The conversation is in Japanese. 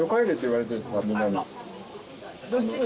どっちに？